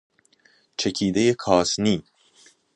چکیده کاسنی